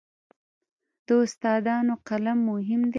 د استادانو قلم مهم دی.